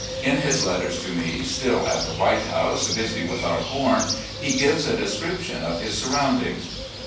In his letters to me, still at the White House busy with our com, he gives a description of his sxuroundings